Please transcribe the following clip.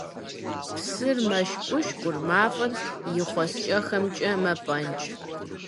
Псыр мэшкӀуркӀур, мафӀэр и хъуаскӀэхэмкӀэ мэпӀэнкӀ.